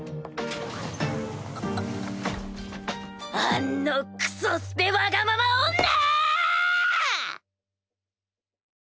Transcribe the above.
あんのクソスペわがまま女！